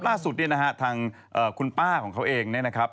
ล่าสุดเนี่ยนะฮะทางคุณป้าของเขาเองเนี่ยนะครับ